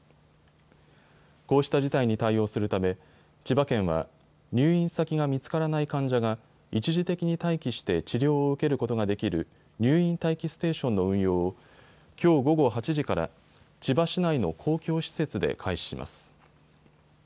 こうした事態に対応するため千葉県は入院先が見つからない患者が一時的に待機して治療を受けることができる入院待機ステーションの運用をきょう午後８時から千葉市内の公共施設で開始します。